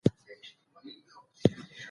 ماشومان د ازاد فکر او بیان حق لري.